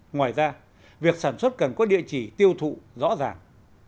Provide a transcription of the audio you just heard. ngoài ra việc sản xuất cần có địa chỉ tiêu thụ rõ ràng